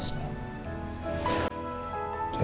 roset aku takut ada papa disini